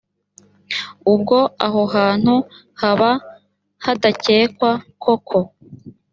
ubwo aho hantu haba hadakekwa koko